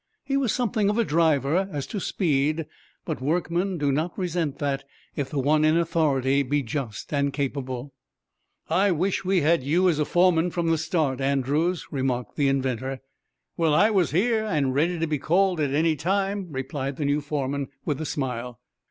He was something of a driver, as to speed, but workmen do not resent that if the one in authority be just and capable. "I wish we had had you as foreman from the start, Andrews," remarked the inventor. "Well, I was here, and ready to be called at any time," replied the new foreman, with a smile.